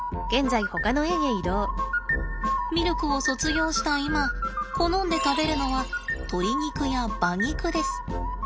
ミルクを卒業した今好んで食べるのは鶏肉や馬肉です。